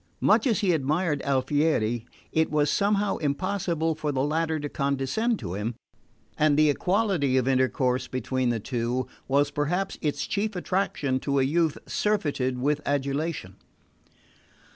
Much as he admired Alfieri, it was somehow impossible for the latter to condescend to him; and the equality of intercourse between the two was perhaps its chief attraction to a youth surfeited with adulation.